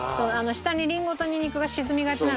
下にリンゴとニンニクが沈みがちなので。